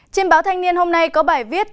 trên báo thanh niên hôm nay có bài viết